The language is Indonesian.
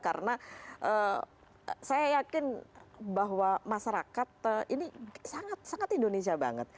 karena saya yakin bahwa masyarakat ini sangat sangat indonesia banget